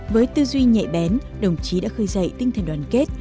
với tư duy nhạy bén đồng chí đã khơi dậy tinh thần đoàn kết